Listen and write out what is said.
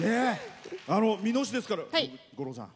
美濃市ですから、五郎さん